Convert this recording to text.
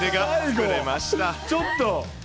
ちょっと。